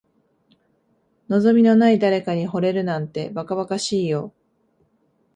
望みのない誰かに惚れるなんて、ばかばかしいよ。